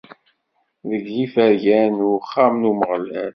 Deg yifergan n uxxam n Umeɣlal.